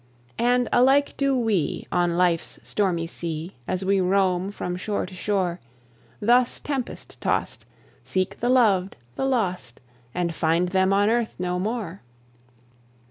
And alike do we, on life's stormy sea, As we roam from shore to shore, Thus tempest tossed, seek the loved, the lost, And find them on earth no more.